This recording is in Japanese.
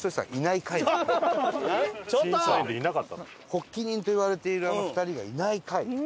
発起人といわれているあの２人がいない回。